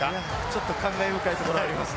ちょっと感慨深いところがありますね。